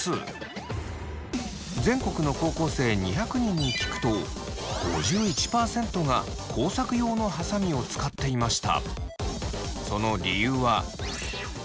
全国の高校生２００人に聞くと５１％が工作用のはさみを使っていました。